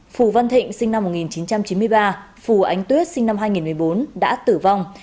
phù văn thịnh sinh năm một nghìn chín trăm chín mươi ba phù ánh tuyết sinh năm hai nghìn một mươi bốn đã tử vong